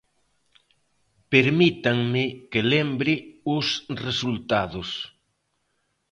Permítanme que lembre os resultados.